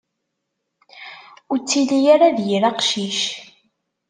Ur ttili ara d yir aqcic.